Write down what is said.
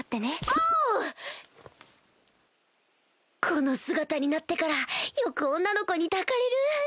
この姿になってからよく女の子に抱かれる